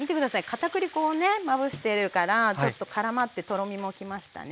片栗粉をねまぶしてるからちょっとからまってとろみもきましたね。